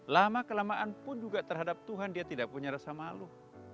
lama kelamaan pun juga terhadap tuhan dia tidak punya rasa malu